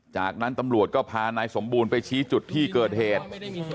จากนั้นตำรวจก็พานายสมบูรณ์ไปชี้จุดที่เกิดเหตุ